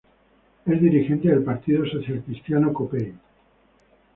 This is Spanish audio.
Es dirigente del partido socialcristiano Copei.